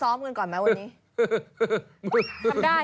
เราซ้อมคือก่อนไหมวันนี้